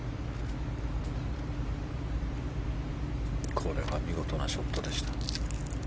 これは見事なショットでした。